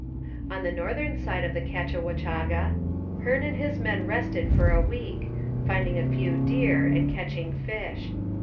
On the northern side of the Cathawachaga, Hearne and his men rested for a week, finding a few deer and catching fish.